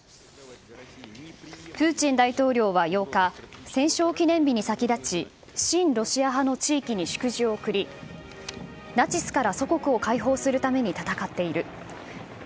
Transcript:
プーチン大統領は８日、戦勝記念日に先立ち、親ロシア派の地域に祝辞を送り、ナチスから祖国を解放するために戦っている。